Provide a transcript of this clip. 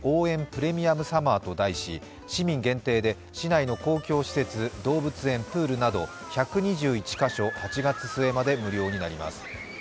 プレミアムサマーと題し、市民限定で市内の公共施設、動物園やプールなど１２１カ所、８月末まで無料になります